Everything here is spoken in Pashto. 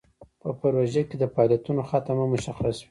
په پروژه کې د فعالیتونو ختم هم مشخص وي.